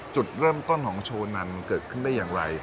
จุดเริ่มต้นของโชนันเกิดขึ้นได้อย่างไร